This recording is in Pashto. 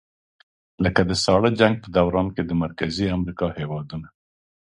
لکه د ساړه جنګ په دوران کې د مرکزي امریکا هېوادونه.